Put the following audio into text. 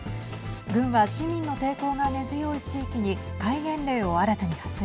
軍は市民の抵抗が根強い地域に戒厳令を新たに発令。